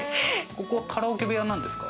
カラオケ部屋なんですか？